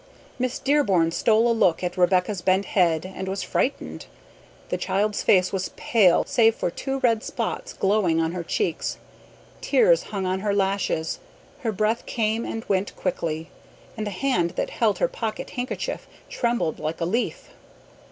Miss Dearborn stole a look at Rebecca's bent head and was frightened. The child's face was pale save for two red spots glowing on her cheeks. Tears hung on her lashes; her breath came and went quickly, and the hand that held her pocket handkerchief trembled like a leaf.